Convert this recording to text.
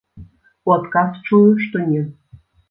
У адказ чую, што не.